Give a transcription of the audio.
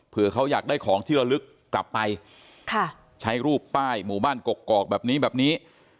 เพื่อเขาอยากได้ของที่ระลึกกลับไปใช้รูปป้ายหมู่บ้านกกอกแบบนี้แบบนี้